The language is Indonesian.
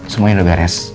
semuanya udah beres